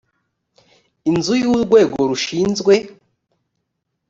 inzu y urwego rushinzwe